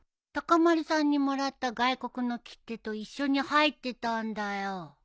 高丸さんにもらった外国の切手と一緒に入ってたんだよ。